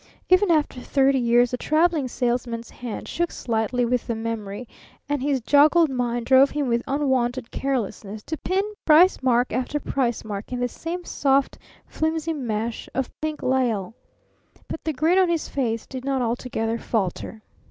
'" Even after thirty years the Traveling Salesman's hand shook slightly with the memory, and his joggled mind drove him with unwonted carelessness to pin price mark after price mark in the same soft, flimsy mesh of pink lisle. But the grin on his lips did not altogether falter.